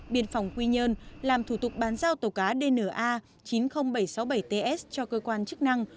biên phòng quy nhân làm thủ tục bán giao tàu cá dna chín mươi bảy trăm sáu mươi bảy ts cho cơ quan chức năng